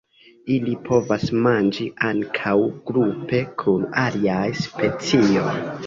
Ili povas manĝi ankaŭ grupe kun aliaj specioj.